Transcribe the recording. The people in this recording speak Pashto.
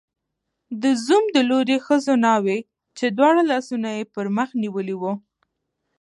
د زوم د لوري ښځو ناوې، چې دواړه لاسونه یې پر مخ نیولي وو